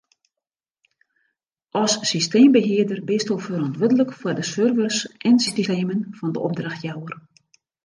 As systeembehearder bisto ferantwurdlik foar de servers en systemen fan de opdrachtjouwer.